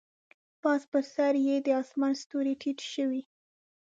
پاس پر سر یې د اسمان ستوري تت شوي